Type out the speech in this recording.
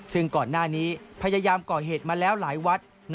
ซึ่งก่อนหน้านี้พยายามก่อเหตุมาแล้วหลายวัด